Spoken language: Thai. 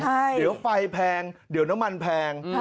เดี๋ยวไฟแพงเดี๋ยวน้ำมันแพง